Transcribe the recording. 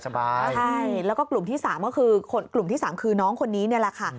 ใช่แล้วก็กลุ่มที่๓ก็คือน้องคนนี้นี่แหละค่ะ